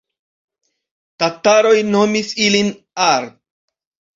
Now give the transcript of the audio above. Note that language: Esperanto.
Tataroj nomis ilin Ar.